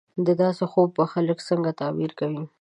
د داسې خوب به خلک څنګه تعبیرونه کوي